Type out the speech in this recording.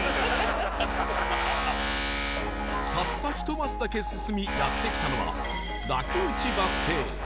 たった１マスだけ進みやって来たのは楽内バス停